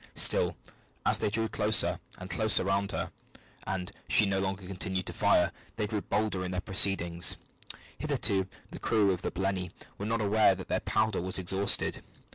Still, as they drew closer and closer round her, and she no longer continued to fire, they grew bolder in their proceedings. Hitherto the crew of the Blenny were not aware that their powder was exhausted.